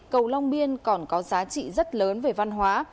cầu long biên còn có giá trị rất lớn về văn hóa